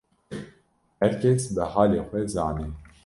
Her kes bi halê xwe zane